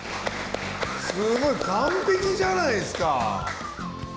すごい完璧じゃないですか！